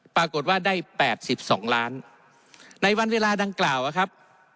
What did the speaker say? ปรากฏว่าได้๘๒ล้านในวันเวลาดังกล่าวนะครับ